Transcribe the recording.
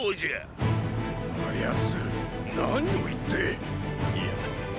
あ奴何を言って⁉いや。